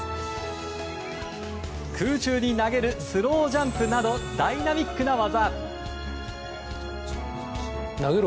空中に投げるスロージャンプなどダイナミックな技。